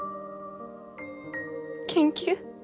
研究？